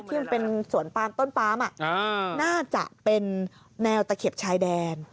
ที่เป็นสวนปามต้นปามน่าจะเป็นแนวตะเข็บชายแดน